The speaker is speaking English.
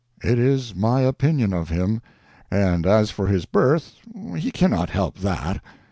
"It is my opinion of him; and as for his birth, he cannot help that.